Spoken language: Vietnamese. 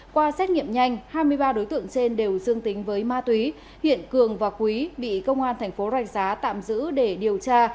qua xét nghiệm nhanh hai mươi ba đối tượng trên đều dương tính với ma túy hiện cường và quý bị công an thành phố rạch giá tạm giữ để điều tra